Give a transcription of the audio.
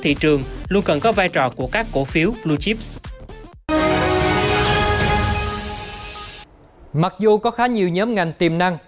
thị trường luôn cần có vai trò của các cổ phiếu blue chips mặc dù có khá nhiều nhóm ngành tiềm năng